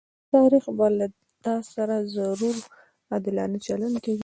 تاريخ به له تاسره ضرور عادلانه چلند کوي.